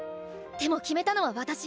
でも決めたのは私。